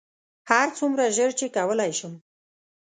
هرڅومره ژر چې کولی شم.